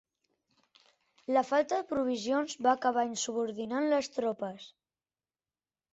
La falta de provisions va acabar insubordinant les tropes.